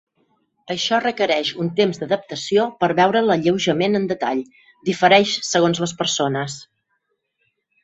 Això requereix un temps d'adaptació per veure l'alleujament en detall, difereix segons les persones.